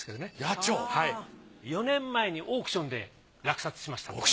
４年前にオークションで落札しました。